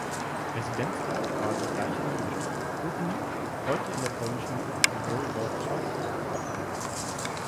Residenzort war die gleichnamige Stadt Prudnik (heute in der polnischen Woiwodschaft Oppeln).